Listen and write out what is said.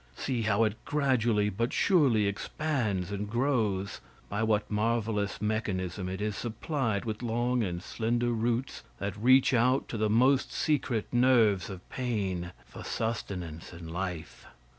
See how it gradually but surely expands and grows! By what marvelous mechanism it is supplied with long and slender roots that reach out to the most secret nerves of pain for sustenance and life!